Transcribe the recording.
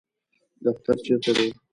دفتر چیرته دی؟